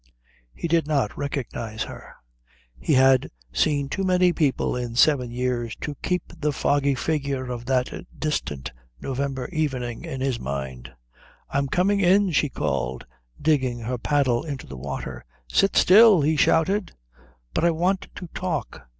He did not recognise her. He had seen too many people in seven years to keep the foggy figure of that distant November evening in his mind. "I'm coming in," she called, digging her paddle into the water. "Sit still!" he shouted. "But I want to talk."